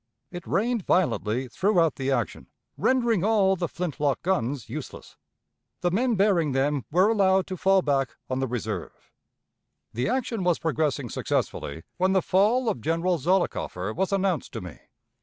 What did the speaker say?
It rained violently throughout the action, rendering all the flint lock guns useless. The men bearing them were allowed to fall back on the reserve. "The action was progressing successfully, when the fall of General Zollicoffer was announced to me.